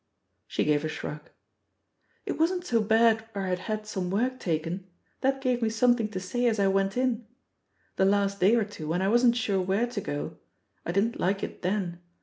She gave a shrug. '"It wasn't so bad where fl[ had had some work taken — that gave me some thing to say as I went in. The last day or two, when I wasn't sure where to go — I didn't like it then!